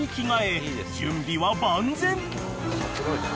［準備は万全］